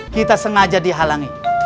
kita sengaja dihalangi